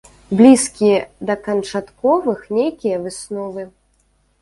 Блізкія да канчатковых нейкія высновы.